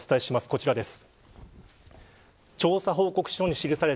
こちらです。